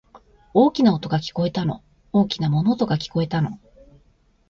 大きな音が、聞こえたの。大きな物音が、聞こえたの。